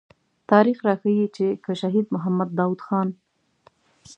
تاريخ راښيي چې که شهيد محمد داود خان.